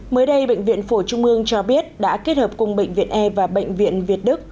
mới đây bệnh viện phổ trung mương cho biết đã kết hợp cùng bệnh viện e và bệnh viện việt đức